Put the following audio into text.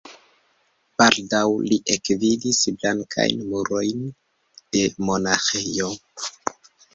Baldaŭ li ekvidis blankajn murojn de monaĥejo.